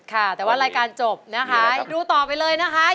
ค่ะแต่ว่ารายการจบนะคะดูต่อไปเลยนะคะ